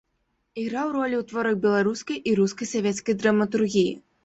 Іграў ролі ў творах беларускай і рускай савецкай драматургіі.